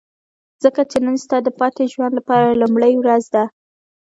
ځکه چې نن ستا د پاتې ژوند لپاره لومړۍ ورځ ده.